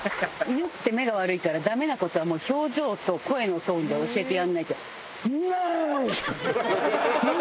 犬って目が悪いからダメな事はもう表情と声のトーンで教えてやんないと。